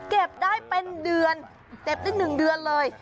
เก็บได้เป็นเดือนเก็บได้๑เดือนเลย